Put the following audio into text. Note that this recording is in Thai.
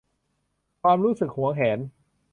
ความรู้สึกหวงแหน